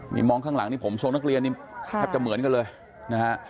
นี่มองข้างหลังนี่ผมทรงนักเรียนนี่แทบจะเหมือนกันเลยนะฮะ